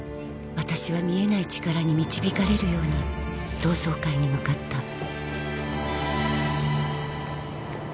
私は見えない力に導かれるように同窓会に向かった